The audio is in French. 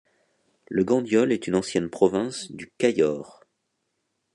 Le Gandiol est une ancienne province du Cayor.